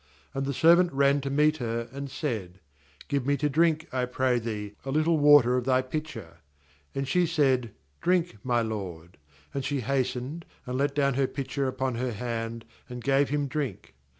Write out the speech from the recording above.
17And the servant ran to meet her, and said: 'Give me to drinkj I pray thee, a little water of thy pitcher.' 18And she said: 'Drink, my lord'; and she hastened, and let down her pitcher upon her hand, and gave him drink.